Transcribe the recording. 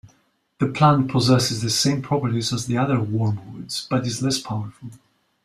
The plant possesses the same properties as the other Wormwoods, but is less powerful.